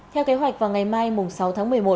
theo kế hoạch vào ngày mai sáu tháng một mươi một